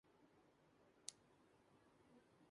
عہدہ پر ممتاز تھے